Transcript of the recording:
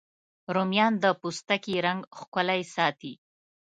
رومیان د پوستکي رنګ ښکلی ساتي